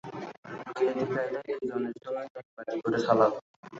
বিলেতি কায়দায় দু জনের সামনেই এক বাটি করে সালাদ।